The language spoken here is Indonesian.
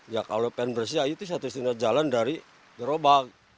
ya kalau pengen bersih aja itu satu setiap jalan dari gerobak